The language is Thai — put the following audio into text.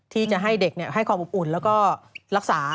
ที่จะให้เด็กให้ความอบอุ่นแล้วก็รักษา